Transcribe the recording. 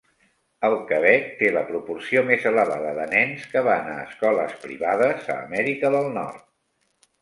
El Quebec té la proporció més elevada de nens que van a escoles privades a Amèrica del Nord.